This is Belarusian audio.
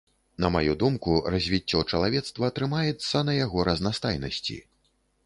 На маю думку, развіццё чалавецтва трымаецца на яго разнастайнасці.